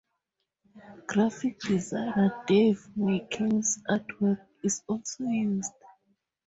Graphic designer Dave McKean's artwork is also used.